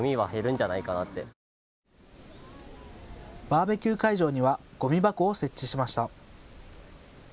バーベキュー会場にはごみ箱を設置しました。